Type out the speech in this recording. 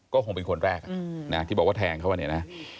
ก็คงเป็นคนแรกนะที่บอกว่าแทงเขาเนี่ยนะ